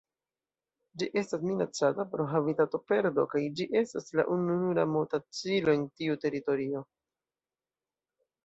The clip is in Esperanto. Ĝi estas minacata pro habitatoperdo kaj ĝi estas la ununura motacilo en tiu teritorio.